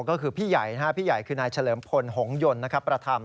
ก็คือพี่ใหญ่พี่ใหญ่คือนายเฉลิมพลหงยนต์ประธรรม